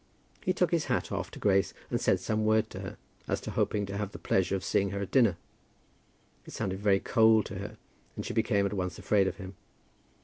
He took his hat off to Grace, and said some word to her as to hoping to have the pleasure of seeing her at dinner. It sounded very cold to her, and she became at once afraid of him.